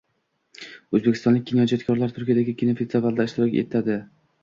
O‘zbekistonlik kinoijodkorlar Turkiyadagi kinofestivalda ishtirok etading